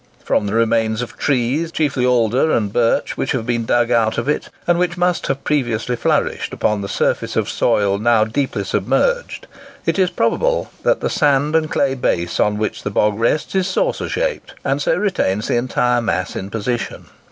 From the remains of trees, chiefly alder and birch, which have been dug out of it, and which must have previously flourished upon the surface of soil now deeply submerged, it is probable that the sand and clay base on which the bog rests is saucer shaped, and so retains the entire mass in position.